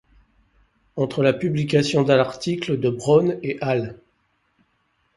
Entre la publication de l'article de Brown et al.